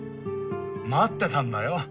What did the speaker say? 待ってたんだよ。